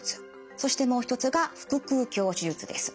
そしてもう一つが腹腔鏡手術です。